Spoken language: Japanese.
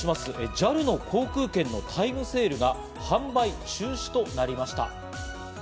ＪＡＬの航空券のタイムセールが販売中止となりました。